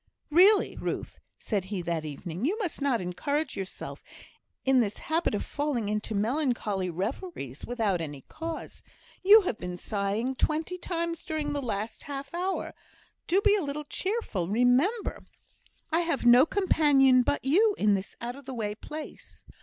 "Really, Ruth," said he, that evening, "you must not encourage yourself in this habit of falling into melancholy reveries without any cause. You have been sighing twenty times during the last half hour. Do be a little cheerful. Remember, I have no companion but you in this out of the way place."